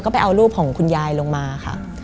มันกลายเป็นรูปของคนที่กำลังขโมยคิ้วแล้วก็ร้องไห้อยู่